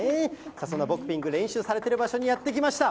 そんなボクピング、練習されてる場所にやって来ました。